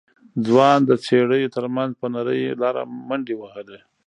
ځوان د څېړيو تر منځ په نرۍ لاره منډې وهلې.